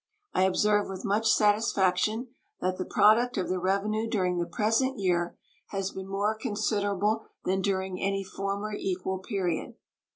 I observe with much satisfaction that the product of the revenue during the present year has been more considerable than during any former equal period.